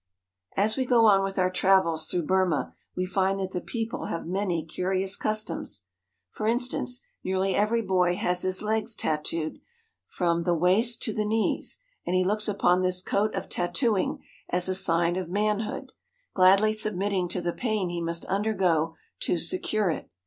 '* As we go on with our travels through Burma, we find that the people have many curious customs. For instance, nearly every boy has his legs tattooed from the waist to the knees, and he looks upon this coat of tattooing as a sign of manhood, gladly submitting to the pain he must undergo to se cure it.